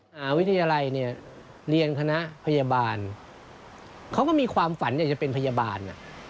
มหาวิทยาลัยเนี่ยเรียนคณะพยาบาลเขาก็มีความฝันอยากจะเป็นพยาบาล